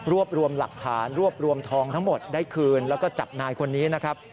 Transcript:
รวบรวมหลักฐานรวบรวมทองทั้งหมดได้คืนแล้วก็จับนายคนนี้นะครับ